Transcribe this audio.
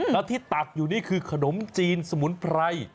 แล้วที่ตักอยู่นี่คือขนมจีนสมุนไพร